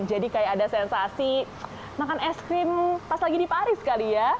jadi kayak ada sensasi makan es krim pas lagi di paris kali ya